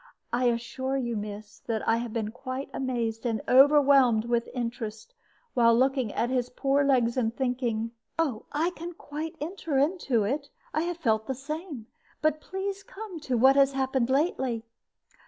I assure you, miss, that I have been quite amazed and overwhelmed with interest while looking at his poor legs, and thinking " "I can quite enter into it. I have felt the same. But please to come to what has happened lately."